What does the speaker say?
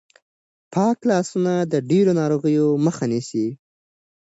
پاک لاسونه د ډېرو ناروغیو مخه نیسي.